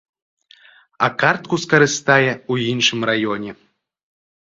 А картку скарыстае ў іншым раёне.